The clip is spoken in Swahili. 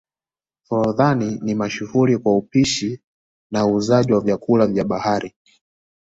forodhani ni mashuhuri kwa upishi na uuzaji wa vyakupa vya bahari